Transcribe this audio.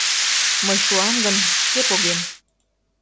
Мый шуам гын, шке погем.